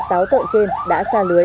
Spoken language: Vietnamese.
táo tợn trên đã xa lưới